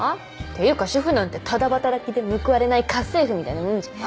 ていうか主婦なんてタダ働きで報われない家政婦みたいなもんじゃん。